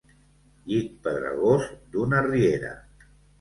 Llit pedregós d'una riera.